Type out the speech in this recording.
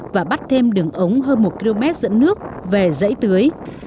và bắt thêm đường ống hơn một km dẫn nước về dãy tưới